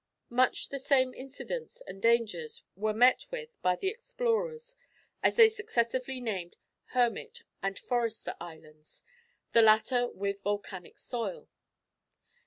Much the same incidents and dangers were met with by the explorers as they successively named Hermit and Forester islands, the latter with volcanic soil.